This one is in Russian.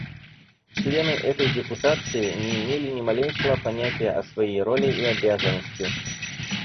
Члены этой депутации не имели ни малейшего понятия о своей роли и обязанности.